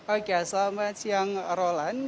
oke selamat siang roland